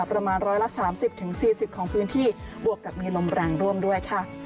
ประมาณ๑๓๐๔๐ของพื้นที่บวกกับมีลมแรงร่วมด้วยค่ะ